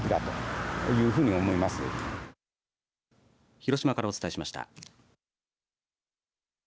広島からお伝えしました。